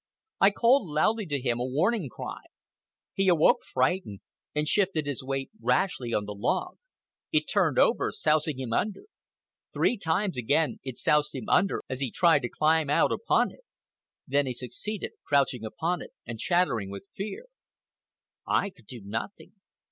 I called loudly to him a warning cry. He awoke frightened, and shifted his weight rashly on the log. It turned over, sousing him under. Three times again it soused him under as he tried to climb out upon it. Then he succeeded, crouching upon it and chattering with fear. I could do nothing.